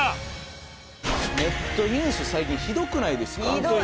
ネットニュース最近ひどくないですか？